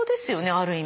ある意味。